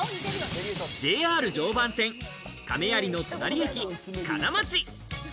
ＪＲ常磐線・亀有の隣駅、金町。